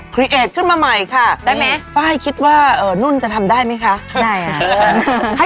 เครีเอทขึ้นมาใหม่ค่ะฟ้ายคิดว่านุ่นจะทำได้มั้ยคะได้ไหม